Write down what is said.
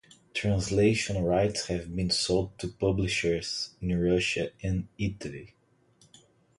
Translation rights have been sold to publishers in Russia and Italy.